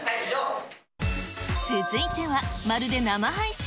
続いては、まるで生配信？